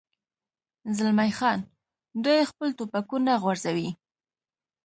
زلمی خان: دوی خپل ټوپکونه غورځوي.